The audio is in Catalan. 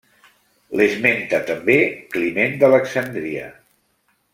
L'esmenta també Climent d'Alexandria.